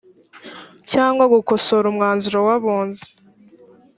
cyangwa gukosora umwanzuro w’abunzi